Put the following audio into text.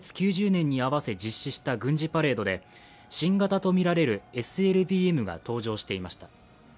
９０年に合わせ実施した軍事パレードで新型とみられるＳＬＢＭが登場していました。